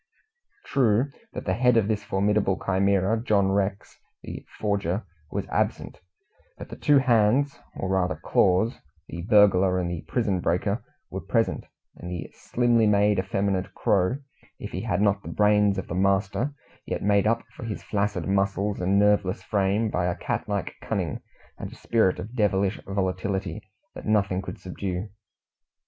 True, that the head of this formidable chimera John Rex, the forger was absent, but the two hands, or rather claws the burglar and the prison breaker were present, and the slimly made, effeminate Crow, if he had not the brains of the master, yet made up for his flaccid muscles and nerveless frame by a cat like cunning, and a spirit of devilish volatility that nothing could subdue.